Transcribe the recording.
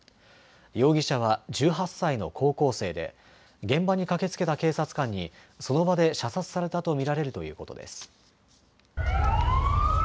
容疑者は１８歳の高校生で現場に駆けつけた警察官にその場で射殺されたと見られるということです。